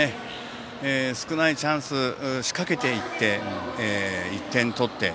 少ないチャンスで仕掛けていって１点取って。